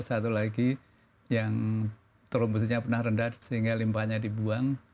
satu lagi yang trombosinya pernah rendah sehingga limpahnya dibuang